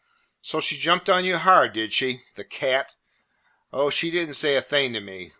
"So she jumped on you hard, did she? The cat!" "Oh, she did n't say a thing to me."